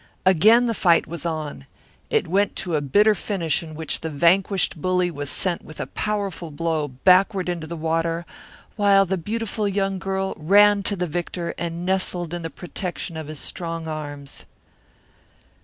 Again the fight was on. It went to a bitter finish in which the vanquished bully was sent with a powerful blow backward into the water, while the beautiful young girl ran to the victor and nestled in the protection of his strong arms.